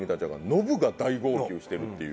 ノブが大号泣してるっていう。